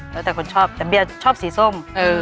แล้วแต่คนชอบแต่เบียร์ชอบสีส้ม